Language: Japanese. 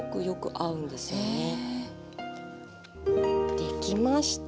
できました。